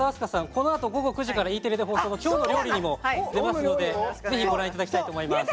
このあと午後９時から放送の「きょうの料理」にも出ますのでぜひご覧いただきたいと思います。